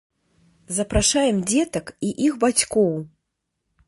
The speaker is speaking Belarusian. Запрашаем дзетак і іх бацькоў!